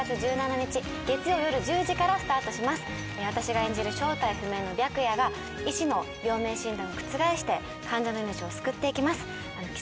私が演じる正体不明の白夜が医師の病名診断を覆して患者の命を救っていきます。